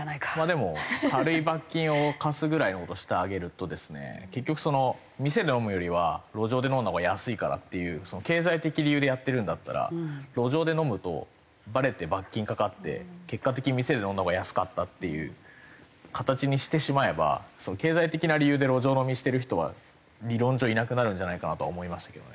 でも軽い罰金を科すぐらいの事してあげるとですね結局店で飲むよりは路上で飲んだほうが安いからっていう経済的理由でやってるんだったら路上で飲むとバレて罰金かかって結果的に店で飲んだほうが安かったっていう形にしてしまえば経済的な理由で路上飲みしてる人は理論上いなくなるんじゃないかなとは思いましたけどね。